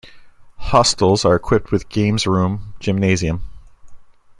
Hostels are equipped with game's room, gymnasium.